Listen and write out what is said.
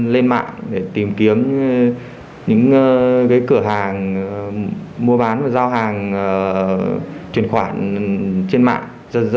lên mạng để tìm kiếm những cửa hàng mua bán và giao hàng truyền khoản trên mạng